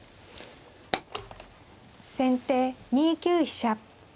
先手２九飛車。